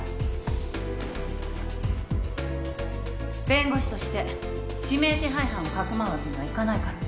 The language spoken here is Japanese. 弁護士として指名手配犯をかくまうわけにはいかないから。